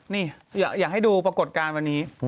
นี่อยากให้ดูปรากฏการณ์วันนี้